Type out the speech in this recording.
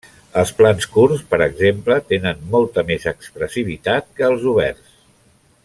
Els plans curts, per exemple, tenen molta més expressivitat que els oberts.